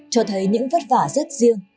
cho thấy những vất vả rất riêng